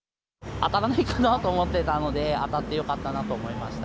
当たらないかなと思ってたので、当たってよかったなと思いました。